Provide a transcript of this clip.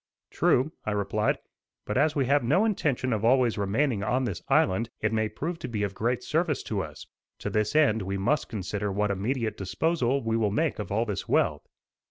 "True," I replied, "but as we have no intention of always remaining on this island, it may prove to be of great service to us. To this end we must consider what immediate disposal we will make of all this wealth."